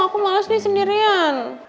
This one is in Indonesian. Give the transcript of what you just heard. aku males nih sendirian